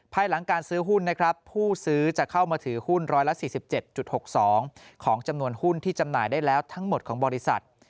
ภายหลังการซื้อหุ้นนะครับผู้ซื้อจะเข้ามาถือหุ้น๑๔๗๖๒ของจำนวนหุ้นที่จำหน่ายได้แล้วทั้งหมดของบริษัท